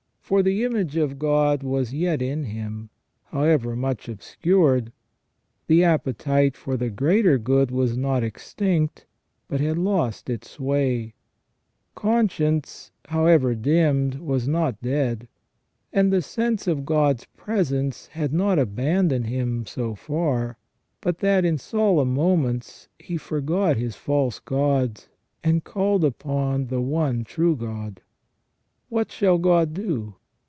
For the image of God was yet in him, however much obscured j the appetite for the greater good was not extinct, but had lost its sway ; conscience, however dimmed, was not dead ; and the sense of God's presence had not abandoned him so far, but that in solemn moments he forgot his false gods, and called upon the one true God. What shall God do